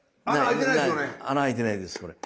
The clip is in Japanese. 穴開いてないですこれ。